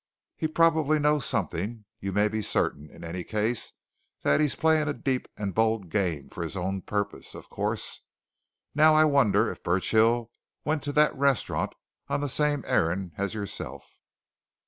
He probably knows something you may be certain, in any case, that he's playing a deep and bold game, for his own purpose, of course. Now, I wonder if Burchill went to that restaurant on the same errand as yourself?"